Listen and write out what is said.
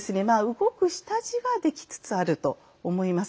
動く下地はできつつあると思います。